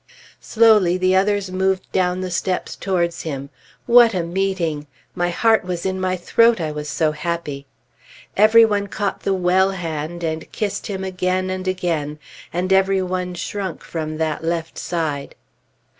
Slowly the others moved down the steps towards him. What a meeting! My heart was in my throat, I was so happy. Every one caught the well hand and kissed him again and again, and every one shrunk from that left side.